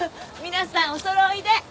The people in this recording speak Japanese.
皆さんお揃いで。